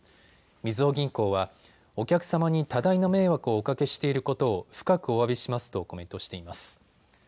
みずほ銀行は、お客様に多大な迷惑をおかけしていることを深くおわびしますとコメントしています。